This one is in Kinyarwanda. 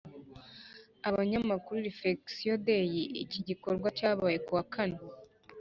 abanyamakuru Reflection day Iki gikorwa cyabaye kuwa kane